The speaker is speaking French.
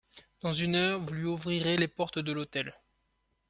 Dans une heure, vous lui ouvrirez les portes de l'hôtel.